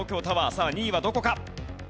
さあ２位はどこか？